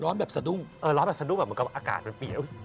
แบบสะดุ้งเออร้อนแบบสะดุ้งแบบเหมือนกับอากาศมันเปียก